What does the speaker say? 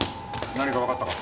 何かわかったか？